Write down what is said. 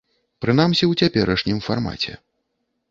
Прынамсі, у цяперашнім фармаце.